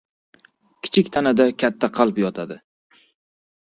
• Kichik tanada katta qalb yotadi.